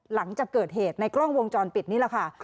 หลังจากเกิดเหตุในกล้องวงจรปิดนี่แหละค่ะ